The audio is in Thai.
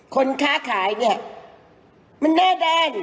คนค้าขายเนี่ยมันหน้าด้าน